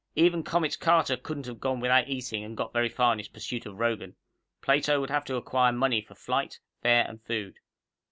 Even Comets Carter couldn't have gone without eating and got very far in his pursuit of Rogan. Plato would have to acquire money for flight, fare and food.